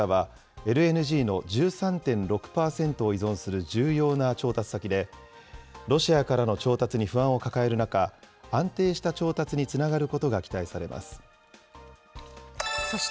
日本にとってマレーシアは、ＬＮＧの１３．６％を依存する重要な調達先で、ロシアからの調達に不安を抱える中、安定した調達につながることが期待されます。